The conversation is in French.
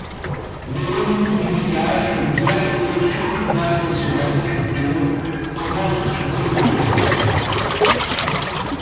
L'économie du village, bien qu'étant surtout basée sur l'agriculture, commence à s'ouvrir au tourisme.